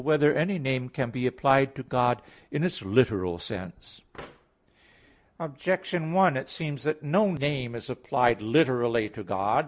3] Whether Any Name Can Be Applied to God in Its Literal Sense? Objection 1: It seems that no name is applied literally to God.